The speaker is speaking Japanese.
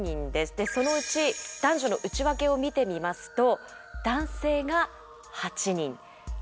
でそのうち男女の内訳を見てみますと男性が８人女性が２人。